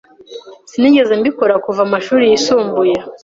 Sinigeze mbikora kuva amashuri yisumbuye